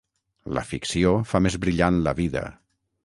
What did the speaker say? La ficció fa més brillant la vida.